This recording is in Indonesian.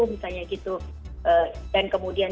misalnya gitu dan kemudian